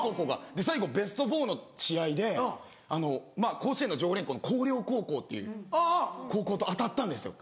最後ベスト４の試合で甲子園の常連校の広陵高校っていう高校と当たったんですよ。